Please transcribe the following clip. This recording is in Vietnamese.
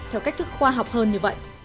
theo cách thức khoa học hơn như vậy